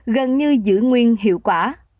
gần như giữ nguyên hiệu quả